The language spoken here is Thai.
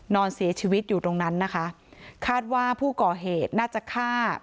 นอนเสียชีวิตอยู่ตรงนั้นนะคะคาดว่าผู้ก่อเหตุน่าจะฆ่า